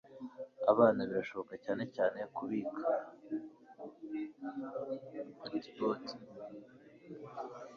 Abana birashoboka cyane cyane kubika antibodi,